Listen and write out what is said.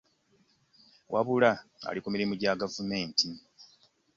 Wabula ali ku mirimu gya gavumenti.